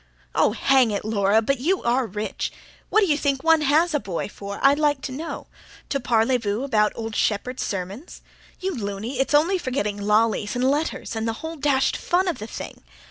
"Oh, hang it, Laura, but you ARE rich! What d'you think one has a boy for, I'd like to know. To parlezvous about old Shepherd's sermons? You loony, it's only for getting lollies, and letters, and the whole dashed fun of the thing.